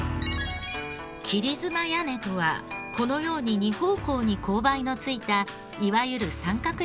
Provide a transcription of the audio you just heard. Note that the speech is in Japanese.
切妻屋根とはこのように２方向に勾配のついたいわゆる三角屋根の事。